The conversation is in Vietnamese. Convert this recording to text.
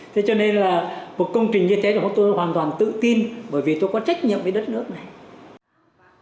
thế cho nên là một công trình như thế là tôi hoàn toàn tự tin bởi vì tôi có trách nhiệm với đất nước này